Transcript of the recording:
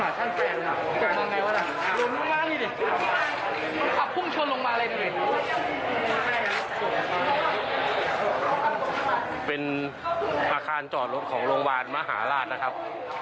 เป็นอาคารจอดรถของโรงพยาบาลมหาราชนะครับ